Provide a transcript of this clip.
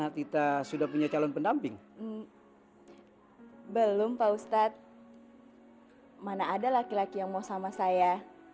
apa natita sudah punya calon pendamping belum pak ustadz mana ada laki laki yang mau sama saya